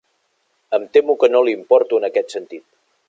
Em temo que no li importo en aquest sentit.